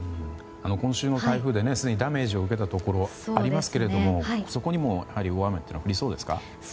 今週も、台風ですでにダメージを受けたところがありますけれどもそこにも大雨は降りそうですか？